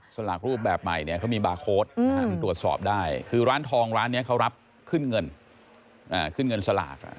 สลักรูปแบบใหม่เขามีบาร์โค้ดตรวจสอบได้คือร้านทองร้านนี้เขารับขึ้นเงินสลัก